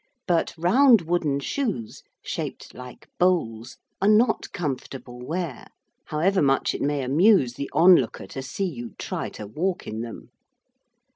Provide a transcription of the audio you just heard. But round wooden shoes, shaped like bowls, are not comfortable wear, however much it may amuse the onlooker to see you try to walk in them.